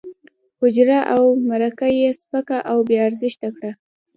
حجره او مرکه یې سپکه او بې ارزښته کړه.